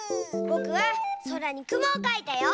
ぼくはそらにくもをかいたよ！